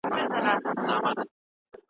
زما په زړه کي څړيکي وسوې